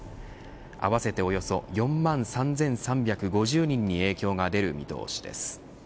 合わせておよそ４万３３５０人に影響が出る見通し